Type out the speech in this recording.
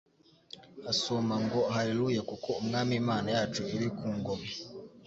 asuma ngo : "Haleluya! Kuko Umwami Imana yacu iri ku ngoma."